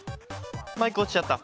◆マイク落ちちゃった。